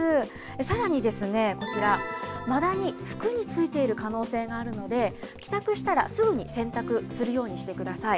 さらにですね、こちら、マダニ、服についている可能性があるので、帰宅したら、すぐに洗濯するようにしてください。